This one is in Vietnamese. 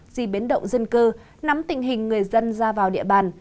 di biến động dân cư nắm tình hình người dân ra vào địa bàn